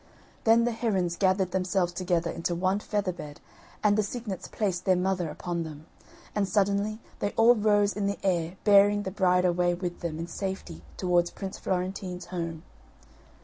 Then the herons gathered themselves together into one feather bed and the cygnets placed their mother upon them, and suddenly they all rose in the air bearing the bride away with them in safety towards Prince Florentine's home.